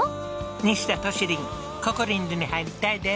西田トシリンココリンズに入りたいです！